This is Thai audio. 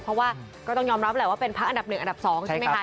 เพราะว่าก็ต้องยอมรับแหละว่าเป็นพักอันดับ๑อันดับ๒ใช่ไหมคะ